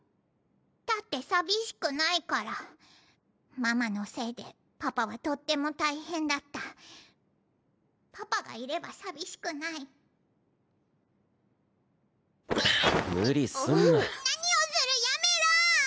だって寂しくないからママのせいでパパはとっても大変だったパパがいれば寂しくない無理すんな何をするやめろ！